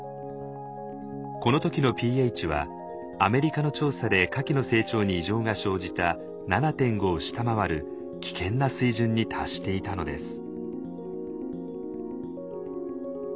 この時のｐＨはアメリカの調査でカキの成長に異常が生じた７．５を下回る危険な水準に達していたのです。